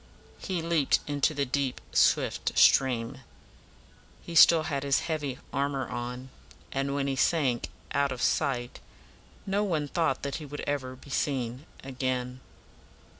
'" He leaped into the deep, swift stream. He still had his heavy armor on; and when he sank out of sight, no one thought that he would ever be seen again.